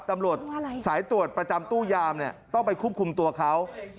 ตำรวจสายตรวจประจำตู้ยามต้องไปควบคุมตัวเขา